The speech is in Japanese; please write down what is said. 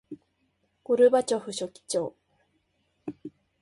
ゴルバチョフ書記長